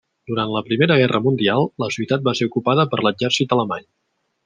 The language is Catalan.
Durant la Primera Guerra Mundial la ciutat va ser ocupada per l'exèrcit alemany.